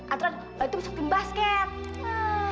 aturan lu itu bisa pimpin basket